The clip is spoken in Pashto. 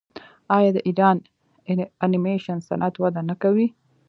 آیا د ایران انیمیشن صنعت وده نه کوي؟